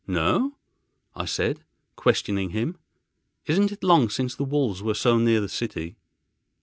"No?" I said, questioning him; "isn't it long since the wolves were so near the city?"